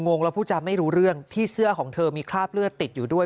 งแล้วผู้จำไม่รู้เรื่องที่เสื้อของเธอมีคราบเลือดติดอยู่ด้วย